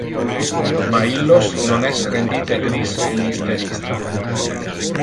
ma illos non es rendite gris in iste lista